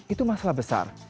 itu masalah besar